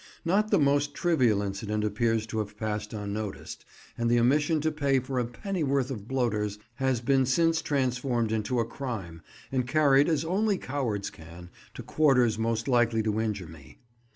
Not the most trivial incident appears to have passed unnoticed, and the omission to pay for a pennyworth of bloaters has been since transformed into a crime, and carried, as only cowards can, to quarters most likely to injure me.